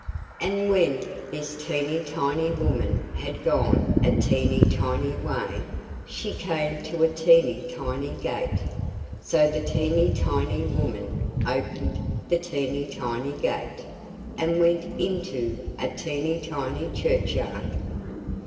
And when this teeny tiny woman had gone a teeny tiny way, she came to a teeny tiny gate; so the teeny tiny woman opened the teeny tiny gate, and went into a teeny tiny churchyard.